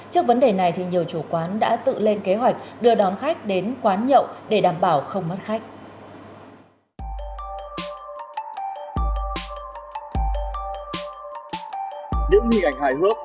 trước vấn đề này thì nhiều chủ quán đã tự lên kế hoạch đưa đón khách đến quán nhậu để đảm bảo không mất khách